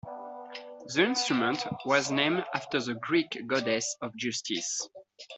The instrument was named after the Greek goddess of justice.